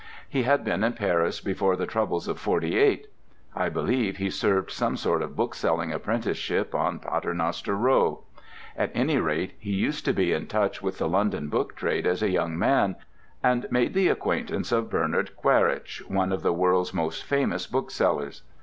He had been in Paris before the troubles of '48. I believe he served some sort of bookselling apprenticeship on Paternoster Row; at any rate, he used to be in touch with the London book trade as a young man, and made the acquaintance of Bernard Quaritch, one of the world's most famous booksellers.